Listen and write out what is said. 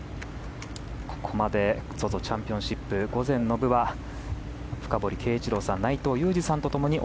ここまでＺＯＺＯチャンピオンシップ午前の部は深堀圭一郎さん内藤雄士さんと共に